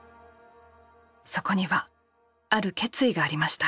そこにはある決意がありました。